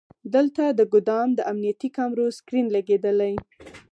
دلته د ګودام د امنیتي کامرو سکرین لګیدلی.